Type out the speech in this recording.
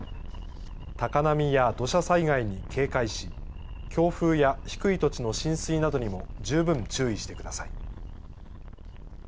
高波や土砂災害に警戒し強風や低い土地の浸水などにも十分注意してください。